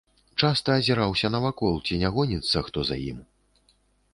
Часта азіраўся навакол, ці не гоніцца хто за ім.